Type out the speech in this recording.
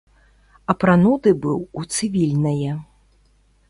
Апрануты быў у цывільнае.